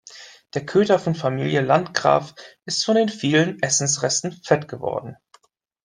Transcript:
Der Köter von Familie Landgraf ist von den vielen Essensresten fett geworden.